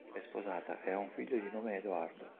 È sposata e ha un figlio di nome Edoardo.